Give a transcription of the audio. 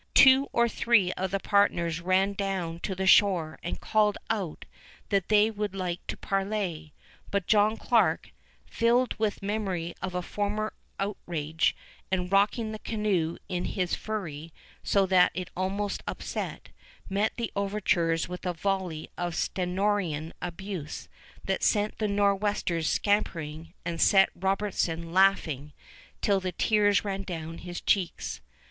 Two or three of the partners ran down to the shore and called out that they would like to parley; but John Clarke, filled with memory of former outrages and rocking the canoe in his fury so that it almost upset, met the overtures with a volley of stentorian abuse that sent the Nor'westers scampering and set Robertson laughing till the tears ran down his cheeks.